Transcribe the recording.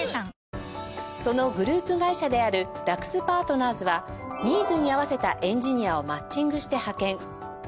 そのグループ会社であるラクスパートナーズはニーズに合わせたエンジニアをマッチングして派遣